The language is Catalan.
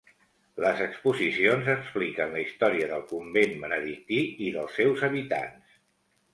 Les exposicions expliquen la història del convent benedictí i dels seus habitants.